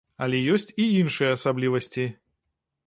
Але ёсць і іншыя асаблівасці.